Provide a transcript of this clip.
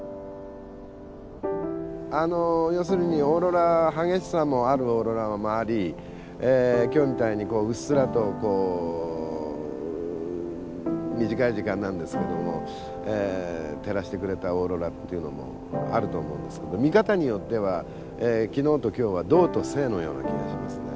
あの要するにオーロラ激しさのあるオーロラもあり今日みたいにうっすらと短い時間なんですけども照らしてくれたオーロラというのもあると思うんですけど見方によっては昨日と今日は動と静のような気がしますね。